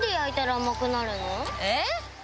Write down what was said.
えっ？